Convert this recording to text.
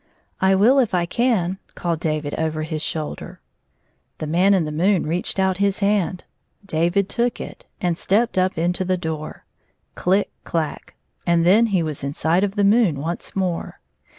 " I will if I can," called David over his shoulder. The Man in the moon reached out his hand. David took it, and stepped up into the door. CKck clack ! and then he was inside of the moon, once more.